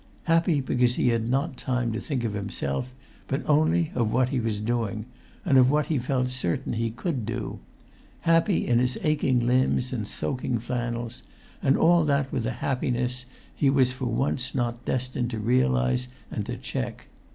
Happy because he had not time to think of himself, but only of what he was doing, and of what he felt certain he could do: happy in his aching limbs and soaking flannels, and all that with a happiness he was for once not destined to realise and to check.